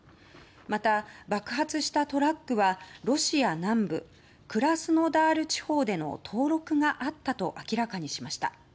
また、爆発したトラックはロシア南部クラスノダール地方での登録があったと明らかにしました。